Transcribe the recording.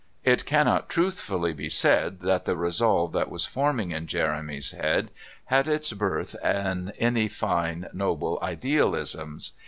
It cannot truthfully be said that the resolve that was forming in Jeremy's head had its birth in any fine, noble idealisms.